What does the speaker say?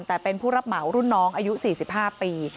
แต่เป็นผู้รับเหมารุ่นน้องอายุ๔๕ปี